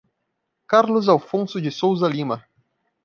Carlos Afonso de Souza Lima